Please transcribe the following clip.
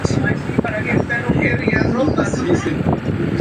Luke Skywalker no sabe si confiar en Obi-Wan Kenobi o no.